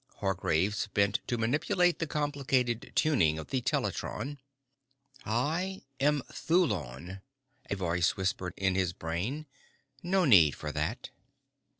Hargraves bent to manipulate the complicated tuning of the teletron. "I am Thulon," a voice whispered in his brain. "No need for that."